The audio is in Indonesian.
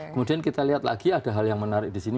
kemudian kita lihat lagi ada hal yang menarik di sini